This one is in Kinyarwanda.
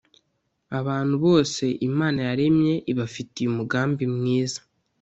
abantu bose imana yaremye ibafitiye umugambi mwiza